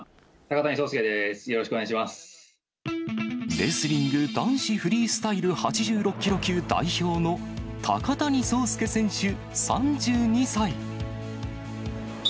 レスリング男子フリースタイル８６キロ級代表の高谷惣亮選手３２歳。